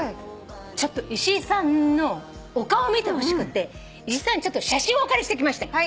ちょっと石井さんのお顔を見てほしくて実際に写真をお借りしてきました。